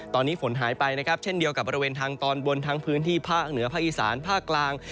ตอนนี้ฝนหายไปนะครับเช่นเดียวกับบริเวณทางตอนบนทั้งพื้นที่ภาคเหนือภาคอีสานภาคกลาง